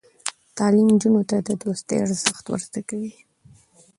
تعلیم نجونو ته د دوستۍ ارزښت ور زده کوي.